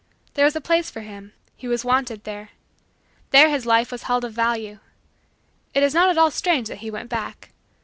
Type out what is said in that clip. There was a place for him. He was wanted there. There his life was held of value. It is not at all strange that he went back.